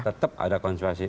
tetap ada konsekuensi